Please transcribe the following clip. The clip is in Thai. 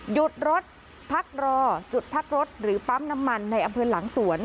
หยุดรถพักรอจุดพักรถหรือปั๊มน้ำมันในอำเภอหลังสวน